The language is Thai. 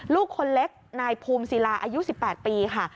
ลูกคนเล็กนายภูมิศิลาอายุ๑๘ปีค่ะ